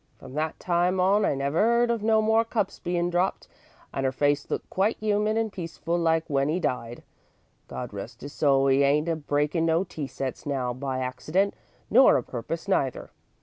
From that time on I never 'eard of no more cups bein' dropped and 'er face looked quite human and peaceful like w'en 'e died. God rest 'is soul, 'e ain't a breakin' no tea sets now by accident nor a purpose neither.